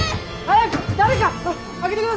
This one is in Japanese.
早く！